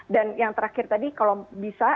dan yang terakhir tadi kalau bisa